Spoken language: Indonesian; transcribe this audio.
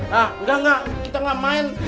hah engga engga kita gak main